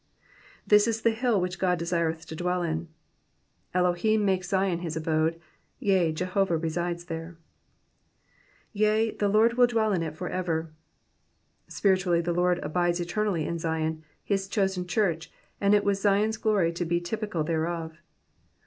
^' This is the hill which God (h»ireth to dwell in,'' ^ Elohim makes Zion his abode, yea, Jehovah resides there. F<?a, the Lord will dwell in it for ever.'*'' Spiritually the Lord abides eternally in Zion, his chosen church, and it was Zion's glory to be typical thereof.